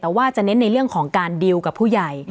แต่ว่าจะเน้นในเรื่องของการดีลกับผู้ใหญ่